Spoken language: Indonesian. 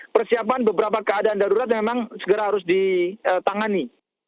persiapan beberapa keadaan darurat memang segera harus ditangani